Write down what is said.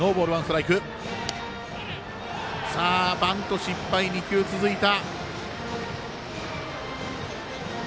バント失敗、２球続いた。